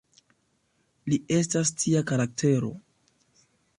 Li estas tia karaktero.